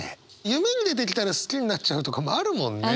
夢に出てきたら好きになっちゃうとかもあるもんね。